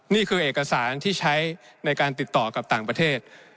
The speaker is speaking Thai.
นี่คือเอกสารที่ใช้ในการติดต่อกับต่างประเทศ